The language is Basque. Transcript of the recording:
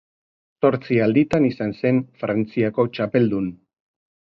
Zortzi alditan izan zen Frantziako txapeldun.